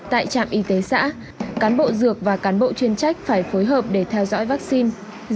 tại trạm y tế xã cán bộ dược và cán bộ chuyên trách phải phối hợp để theo dõi vaccine